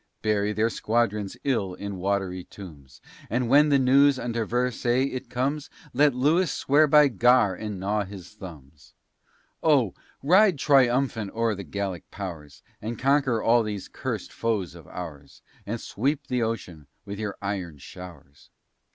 Bury their squadrons ill in watery tombs; And when the news unto Versailles it comes, Let Lewis swear by Gar and gnaw his thumbs. Oh! ride triumphant o'er the Gallic powers, And conquer all these cursed foes of ours, And sweep the ocean with your iron showers.